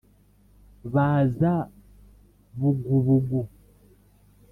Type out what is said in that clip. baza bugubugu